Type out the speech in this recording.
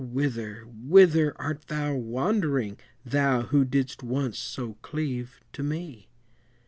whither, whither art thou wandering, Thou who didst once so cleave to me?